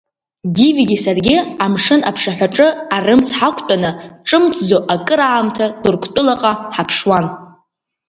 Гивигьы саргьы амшын аԥшаҳәаҿы арымӡ ҳақәтәаны, ҿымҭӡо акыраамҭа Ҭырқәтәылаҟа ҳаԥшуан.